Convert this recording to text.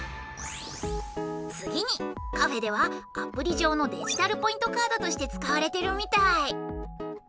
次にカフェではアプリ上のデジタルポイントカードとして使われているみたい！